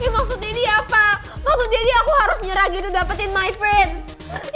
maksudnya aku harus nyerah dapetin my prince